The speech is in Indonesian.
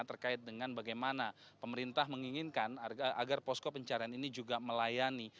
terkait dengan bagaimana pemerintah menginginkan agar posko pencarian ini juga melayani